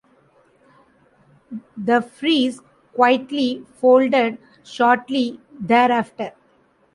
The Freeze quietly folded shortly thereafter.